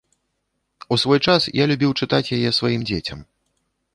У свой час я любіў чытаць яе сваім дзецям.